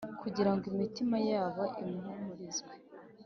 kugira ngo imitima yabo ihumurizwe